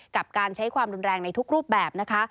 กับการใช้ความรุนแรงในทุกรูปแบบนะคะ